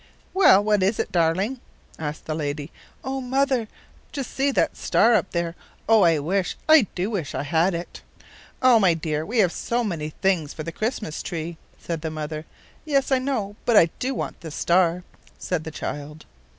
"Well, what is it, darling?" asked the lady. "Oh, mother, just see that star up there! I wish oh, I do wish I had it." "Oh, my dear, we have so many things for the Christmas tree," said the mother. "Yes, I know, but I do want the star," said the child.